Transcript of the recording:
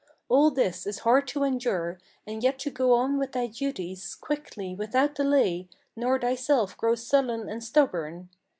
All this is hard to endure, and yet to go on with thy duties Quickly, without delay, nor thyself grow sullen and stubborn.